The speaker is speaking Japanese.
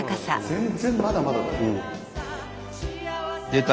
全然まだまだだよ。出た！